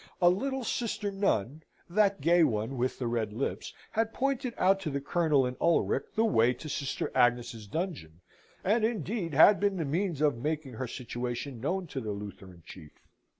A little sister nun (that gay one with the red lips) had pointed out to the Colonel and Ulric the way to Sister Agnes's dungeon, and, indeed, had been the means of making her situation known to the Lutheran chief.